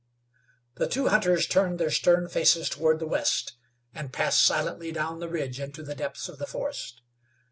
The two hunters turned their stern faces toward the west, and passed silently down the ridge into the depths of the forest.